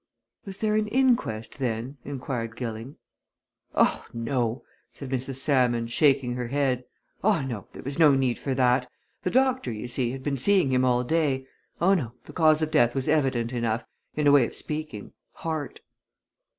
"Was there an inquest then," inquired Gilling?" "Oh, no!" said Mrs. Salmon, shaking her head. "Oh, no! there was no need for that the doctor, ye see, had been seeing him all day. Oh, no the cause of death was evident enough, in a way of speaking. Heart."